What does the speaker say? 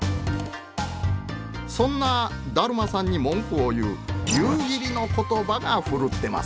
そんな達磨さんに文句を言う夕霧の言葉がふるってます。